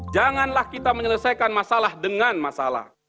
janganlah kita menyelesaikan masalah dengan masalah